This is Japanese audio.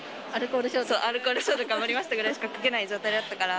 そう、アルコール消毒頑張りましたぐらいしか書けない状態だったから。